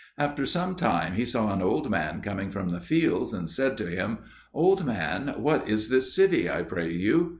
After some time he saw an old man coming from the fields, and said to him, "Old man, what is this city, I pray you?"